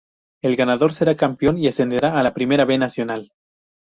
El ganador será campeón y ascenderá a la Primera B Nacional.